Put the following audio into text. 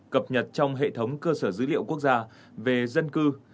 cập nhật trong hệ thống cơ sở dữ liệu quốc gia về dân cư